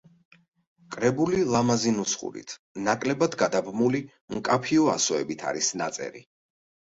კრებული ლამაზი ნუსხურით, ნაკლებად გადაბმული, მკაფიო ასოებით არის ნაწერი.